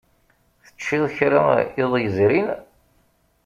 Teččiḍ kra iḍ yezrin?